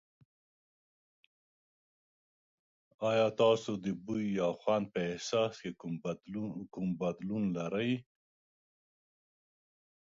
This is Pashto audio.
ایا تاسو د بوی یا خوند په احساس کې کوم بدلون لرئ؟